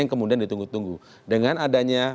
yang kemudian ditunggu tunggu dengan adanya